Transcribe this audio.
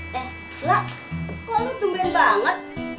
kok lo tumben banget